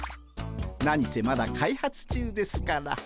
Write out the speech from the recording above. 何せまだ開発中ですから。